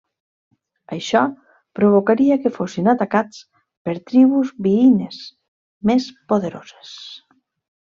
Això provocaria que fossin atacats per tribus veïnes més poderoses.